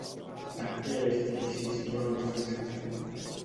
Per què és difícil situar-los exactament?